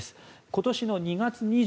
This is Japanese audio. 今年の２月２４日